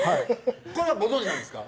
これはご存じなんですか？